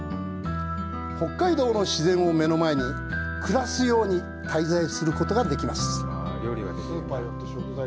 北海道の自然を目の前に暮らすように滞在することができます。